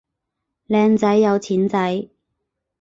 靚仔有錢仔